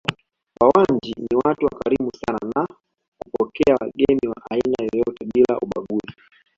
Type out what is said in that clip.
Wawanji ni watu wakarimu sana na kupokea wageni wa aina yoyote bila ubaguzi